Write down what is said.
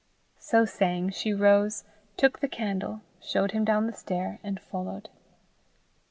So saying, she rose, took the candle, showed him down the stair, and followed.